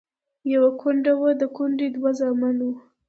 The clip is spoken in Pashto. يوه کونډه وه، د کونډې دوه زامن وو.